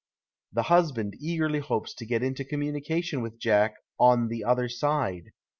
The husband eagerly hopes to get into communication with Jack " on the other side."